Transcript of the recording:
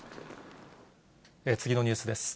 次のニュースです。